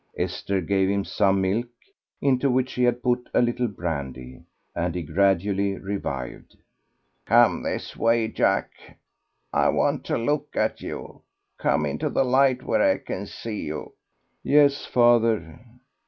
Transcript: Esther gave him some milk, into which she had put a little brandy, and he gradually revived. "Come this way, Jack; I want to look at you; come into the light where I can see you." "Yes, father."